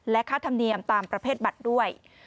ค่าธรรมเนียมตามประเภทบัตรด้วย